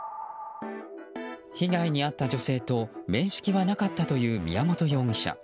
被害に遭った女性と面識はなかったという宮本容疑者。